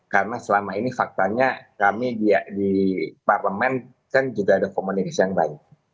karena selama ini faktanya kami di parlemen kan juga ada komunikasi yang baik